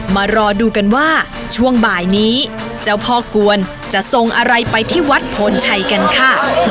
มารอดูกันว่าช่วงบ่ายนี้เจ้าพ่อกวนจะทรงอะไรไปที่วัดโพนชัยกันค่ะ